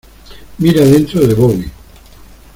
mira dentro de Bobby.